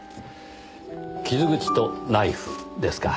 『傷口とナイフ』ですか。